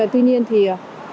tuy nhiên thì